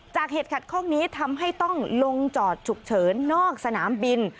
เหตุขัดข้องนี้ทำให้ต้องลงจอดฉุกเฉินนอกสนามบิน